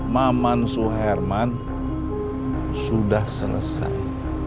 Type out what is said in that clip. mamansuh herman sudah selesai